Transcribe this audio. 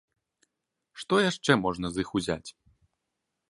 Што яшчэ можна з іх узяць.